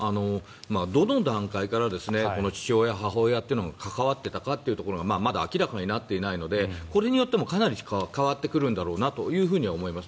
どの段階から父親、母親というのが関わっていたかっていうところがまだ明らかになっていないのでこれによってもかなり変わってくるんだろうなと思います。